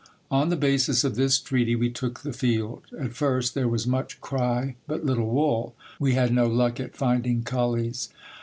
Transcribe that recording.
On the basis of this treaty we took the field. At first, there was much cry but little wool ; for we had no luck at finding cullies.